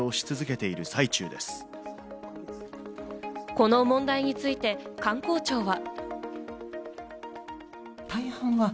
この問題について観光庁は。